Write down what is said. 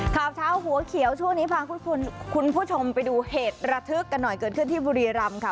ข่าวเช้าหัวเขียวช่วงนี้พาคุณผู้ชมไปดูเหตุระทึกกันหน่อยเกิดขึ้นที่บุรีรำค่ะ